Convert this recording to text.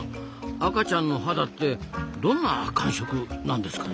赤ちゃんの肌ってどんな感触なんですかねえ？